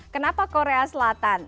kenapa korea selatan